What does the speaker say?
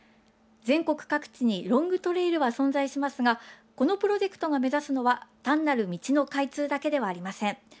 全国各地にロングトレイルは存在しますがこのプロジェクトが目指すのは単なる道の開通だけではありません。